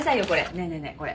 ねえねえねえこれ。